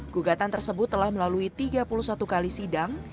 gugatan tersebut telah melalui tiga puluh satu kali sidang